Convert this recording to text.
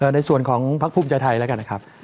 ในส่วนของพักภูมิใจไทยแล้วกันนะครับ